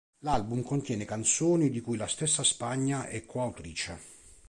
L'album contiene canzoni di cui la stessa Spagna è coautrice.